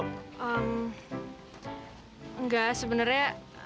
ehm enggak sebenernya